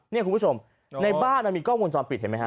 นี่คุณผู้ชมในบ้านมันมีกล้องวงจรปิดเห็นไหมฮ